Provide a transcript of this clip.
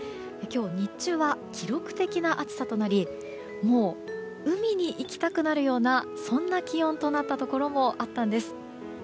今日、日中は記録的な暑さとなり海に行きたくなるようなそんな気温となったところもあったんです。